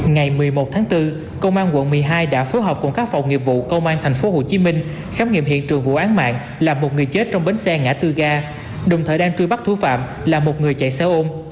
ngày một mươi một tháng bốn công an quận một mươi hai đã phối hợp cùng các phòng nghiệp vụ công an tp hcm khám nghiệm hiện trường vụ án mạng làm một người chết trong bến xe ngã tư ga đồng thời đang truy bắt thú phạm là một người chạy xe ôm